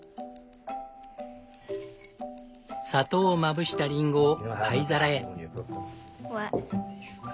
砂糖をまぶしたリンゴをパイ皿へ。